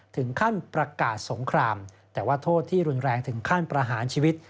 ถึงขั้นประกาศสงครามแต่ว่าโทษที่รุนแรงถึงขั้นประหารชีวิต